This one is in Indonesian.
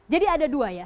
jadi ada dua ya